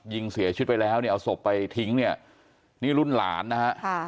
ยิงเสียชีวิตไปแล้วเนี่ยเอาศพไปทิ้งเนี่ยนี่รุ่นหลานนะฮะ